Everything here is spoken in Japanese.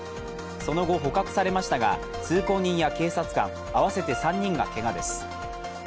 その後、捕獲されましたが通行人や警察官、合わせて３人がけがです。